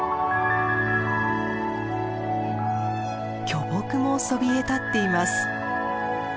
巨木もそびえ立っています。